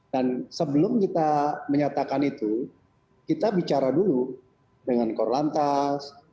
dan sebelum kita menyatakan itu kita bicara dulu dengan kor lantas